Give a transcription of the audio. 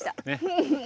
フフフッ。